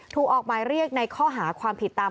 ถูกออกหมายเรียกในข้อหาความผิดตาม